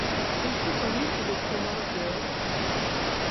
Aussi connu sous les prénoms de.